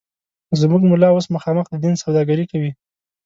زموږ ملا اوس مخامخ د دین سوداگري کوي